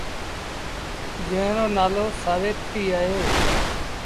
جݩهݩ رو نآلو سآويتريٚ اهي ۔